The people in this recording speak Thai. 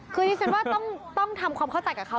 คือดิฉันว่าต้องทำความเข้าใจกับเขา